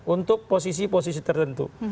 untuk posisi posisi tertentu